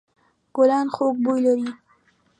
ګلان خوږ بوی لري.